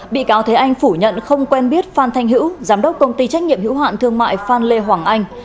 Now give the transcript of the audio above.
bị cáo thế anh phủ nhận không quen biết phan thanh hữu giám đốc công ty trách nhiệm hữu hạn thương mại phan lê hoàng anh